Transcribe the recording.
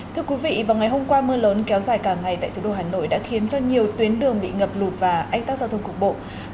thưa quý vị vào ngày hôm qua mưa lớn kéo dài cả ngày tại thủ đô hà nội đã khiến cho nhiều tuyến đường bị ngập lụt và ách tác giao thông cục bộ